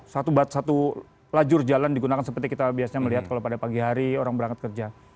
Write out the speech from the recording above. satu bat satu lajur jalan digunakan seperti kita biasanya melihat kalau pada pagi hari orang berangkat kerja